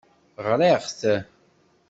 Ɣriɣ-t.